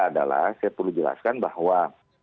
adalah saya perlu jelaskan bahwa